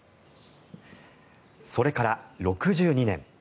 それから６２年。